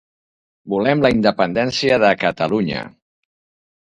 Volem l'independència de Catalunya